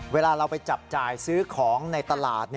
เวลาเราไปจับจ่ายซื้อของในตลาด